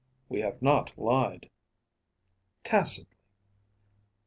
"We have not lied." "Tacitly."